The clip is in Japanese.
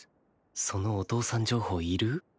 そのお父さん情報いる？